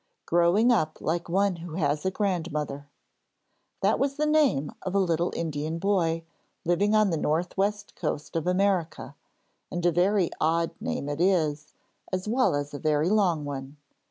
GROWING UP LIKE ONE WHO HAS A GRANDMOTHER That was the name of a little Indian boy living on the North West coast of America, and a very odd name it is, as well as a very long one.